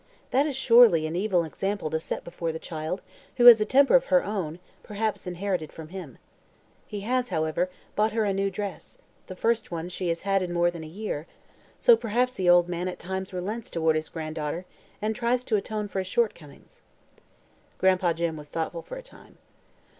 That is surely an evil example to set before the child, who has a temper of her own, perhaps inherited from him. He has, however, bought her a new dress the first one she has had in more than a year so perhaps the old man at times relents toward his granddaughter and tries to atone for his shortcomings." Gran'pa Jim was thoughtful for a time.